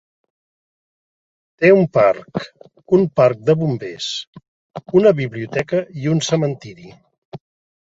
Té un parc, un parc de bombers, una biblioteca i un cementiri.